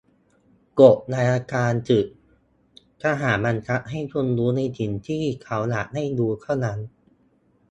"กฎอัยการศึกทหารบังคับให้คุณรู้ในสิ่ง"ที่เขาอยากให้รู้"เท่านั้น"